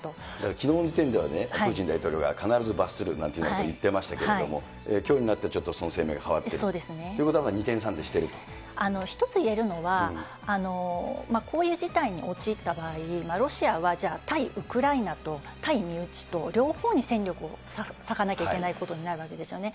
きのうの時点では、プーチン大統領が必ず罰するなんていうことを言ってましたけれども、きょうになってちょっとその声明が変わってる、１つ言えるのは、こういう事態に陥った場合、ロシアはじゃあ、対ウクライナと、対身内と両方に戦力を割かなければいけないことになるわけですよね。